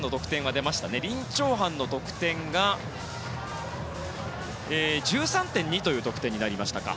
リン・チョウハンの得点は１３．２という得点になりましたか。